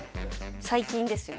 最近ですよね？